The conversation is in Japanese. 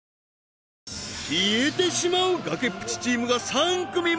消えてしまう崖っぷちチームが３組も！